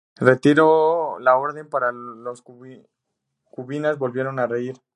Reiteró la orden, pero las concubinas volvieron a reír.